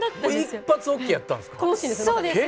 一発ＯＫやったんですか。